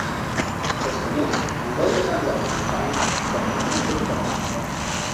Els clients, en veure a tants altres al banc, comencen a preocupar-se.